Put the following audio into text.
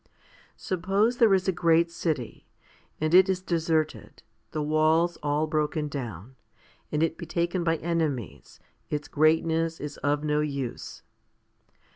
1. SUPPOSE there is a great city, and it is deserted, the walls all broken down, and it be taken by enemies, its greatness is of no use.